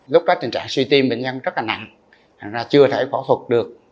lúc đó trình trạng suy tim bệnh nhân rất nặng thật ra chưa thể phẫu thuật được